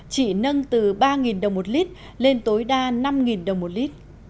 chỉ nâng từ ba đồng một lý lên tối đa năm đồng một lý